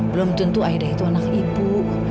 belum tentu aidak itu anak ibu